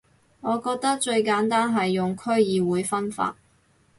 我覺得最簡單係用區議會分法